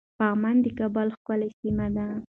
پغمان د کابل ښکلی سيمه ده